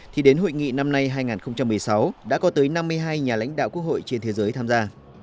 thì đến hội nghị năm nay hai nghìn một mươi sáu đã có tới năm mươi hai nhà lãnh đạo quốc hội trên thế giới tham gia